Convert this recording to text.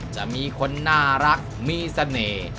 จะมีคนน่ารักมีเสน่ห์